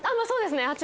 そうですね